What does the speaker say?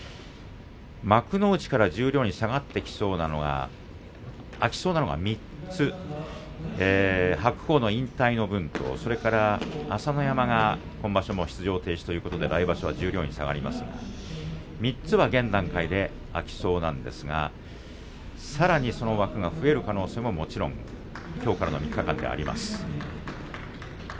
幕内から十両に下がってきそうなのは空きそうなのは３つ白鵬の引退の分とそれから朝乃山が今場所も出場停止ということで来場所は十両に下がりますが３つは現段階で空きそうなんですがさらにその枠が増える可能性ももちろん、きょうからの３日間であります。